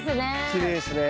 きれいですね。